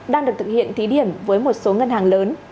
đang được thực hiện thí điểm với một số ngân hàng lớn